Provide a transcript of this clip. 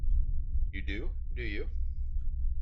You do, do you?